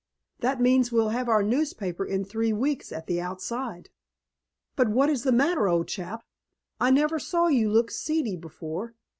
That means we'll have our newspaper in three weeks at the outside But what is the matter, old chap? I never saw you look seedy before.